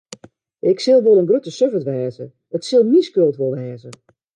Ik sil wol in grutte suffert wêze, it sil myn skuld wol wêze.